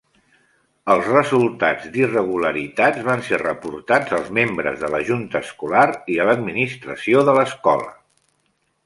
Els resultats d'irregularitats van ser reportats als membres de la junta escolar i a l'administració de l'escola.